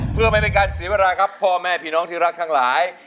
เพื่อไม่เป็นการเสียเวลาครับพ่อแม่พี่น้องที่รักทั้งหลาย